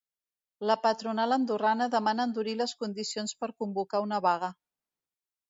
La patronal andorrana demana endurir les condicions per convocar una vaga.